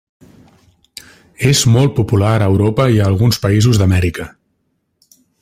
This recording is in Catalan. És molt popular a Europa i a alguns països d'Amèrica.